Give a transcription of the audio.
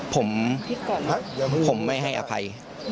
ผมไม่ให้อภัย